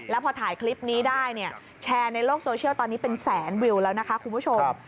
แล้วพอถ่ายคลิปนี้ได้เนี่ยแชร์ในโลกโซเชียลตอนนี้เป็นแสนวิวแล้วนะคะคุณผู้ชม